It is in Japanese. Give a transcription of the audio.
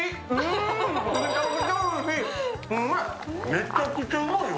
めちゃくちゃうまいわ。